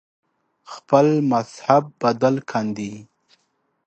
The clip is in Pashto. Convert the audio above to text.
خپل مذهب بدل کاندي